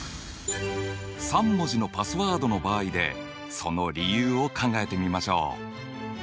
３文字のパスワードの場合でその理由を考えてみましょう。